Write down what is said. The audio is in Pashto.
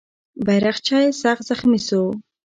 بیرغچی سخت زخمي سو.